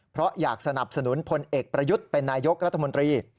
เพราะอยากสนับสนุนพลเอกประยุทธ์เป็นนายกรัฐมนตรี